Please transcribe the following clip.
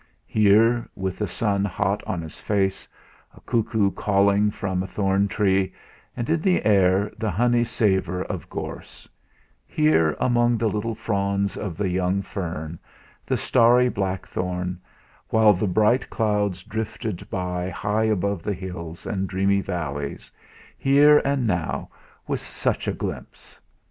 Here, with the sun hot on his face, a cuckoo calling from a thorn tree, and in the air the honey savour of gorse here among the little fronds of the young fern, the starry blackthorn, while the bright clouds drifted by high above the hills and dreamy valleys here and now was such a glimpse.